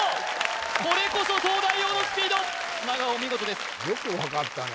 これこそ東大王のスピード砂川お見事ですよく分かったね